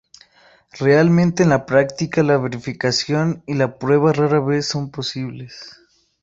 Realmente en la práctica la verificación y la prueba rara vez son posibles.